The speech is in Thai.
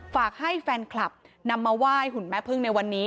ฝากให้แฟนคลับนำมาไหว้หุ่นแม่พึ่งในวันนี้